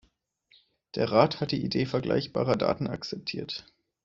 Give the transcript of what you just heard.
Der Rat hat die Idee vergleichbarer Daten akzeptiert.